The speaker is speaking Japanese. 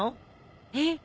えっ？